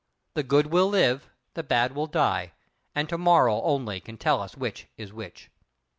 The good will live, the bad will die; and tomorrow only can tell us which is which!